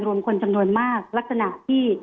คนจำนวนมากลักษณะที่